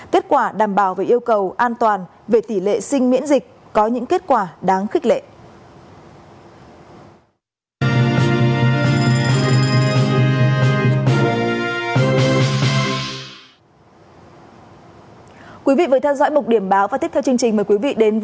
kết quả đảm bảo về yêu cầu an toàn về tỷ lệ sinh miễn dịch có những kết quả đáng khích lệ